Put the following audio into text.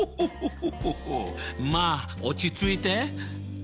まあ落ち着いて。